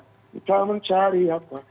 kita mencari apa